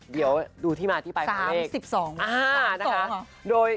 เดี๋ยวดูที่มาที่ไปคำเลข๓๒วัด